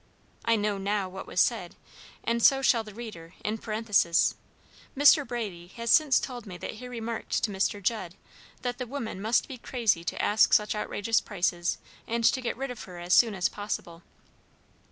[I know now what was said, and so shall the reader, in parentheses. Mr. Brady has since told me that he remarked to Mr. Judd that the woman must be crazy to ask such outrageous prices, and to get rid of her as soon as possible.